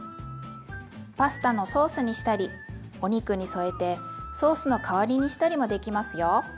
パスタのソースにしたりお肉に添えてソースの代わりにしたりもできますよ。